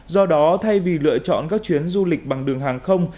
do đó thay vì lựa chọn các chuyến du lịch bằng đường hàng không